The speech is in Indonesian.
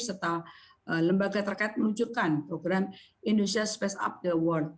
serta lembaga terkait meluncurkan program indonesia space up the world